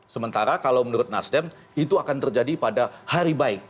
sementara kalau menurut nasdem itu akan terjadi pada hari baik